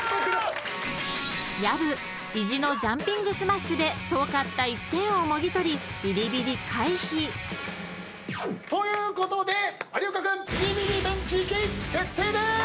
［薮意地のジャンピングスマッシュで遠かった１点をもぎ取りビリビリ回避］ということで有岡君ビリビリベンチ行き決定でーす！